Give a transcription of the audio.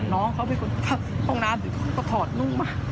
น้องเขาไปกดห้องน้ำหรือเขาก็ถอดนุ่งมา